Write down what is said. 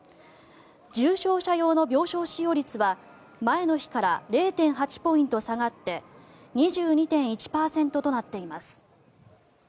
重症者用の病床使用率は前の日から０．８ポイント下がって２２．１％となっています。